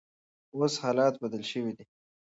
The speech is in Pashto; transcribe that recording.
اوس حالات بدل شوي دي.